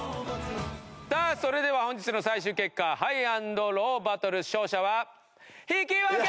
さあそれでは本日の最終結果ハイ＆ローバトル勝者は引き分け！